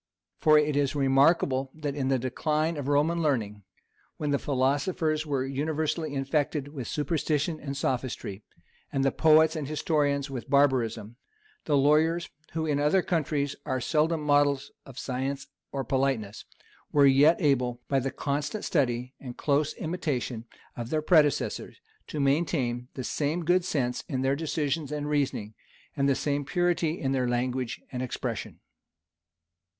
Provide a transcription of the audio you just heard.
For it is remarkable, that in the decline of Roman learning, when the philosophers were universally infected with superstition and sophistry, and the poets and historians with barbarism, the lawyers, who in other countries are seldom models of science or politeness, were yet able, by the constant study and close imitation of their predecessors, to maintain the same good sense in their decisions and reasonings, and the same purity in their language and expression.